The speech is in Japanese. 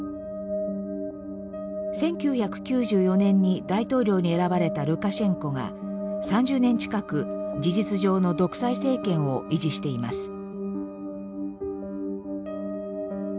１９９４年に大統領に選ばれたルカシェンコが３０年近く事実上の独裁政権を維持しています。